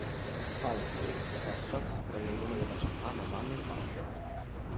Palestine, Texas, prende il nome dalla città da Daniel Parker.